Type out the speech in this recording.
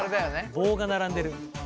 棒が並んでる。